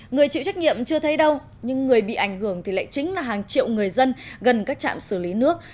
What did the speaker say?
người chịu trách nhiệm chưa thấy đâu nhưng người bị ảnh hưởng thì lại chính là hàng triệu người dân gần các trạm xử lý nước